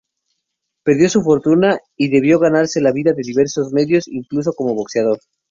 Perdió su fortuna y debió ganarse la vida por diversos medios, incluso como boxeador.